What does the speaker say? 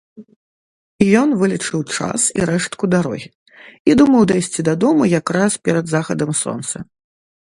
Ён вылічыў час і рэштку дарогі і думаў дайсці дадому якраз перад захадам сонца.